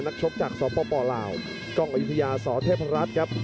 ชกจากสปลาวกล้องอายุทยาสเทพรัฐครับ